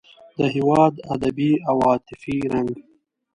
د هېواد ادبي او عاطفي رنګ.